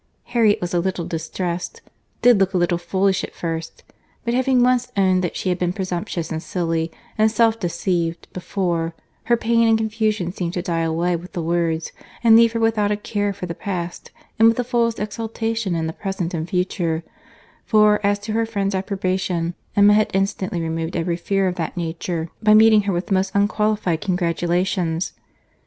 Harriet was a little distressed—did look a little foolish at first: but having once owned that she had been presumptuous and silly, and self deceived, before, her pain and confusion seemed to die away with the words, and leave her without a care for the past, and with the fullest exultation in the present and future; for, as to her friend's approbation, Emma had instantly removed every fear of that nature, by meeting her with the most unqualified congratulations.